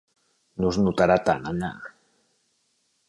No es notarà tant allà.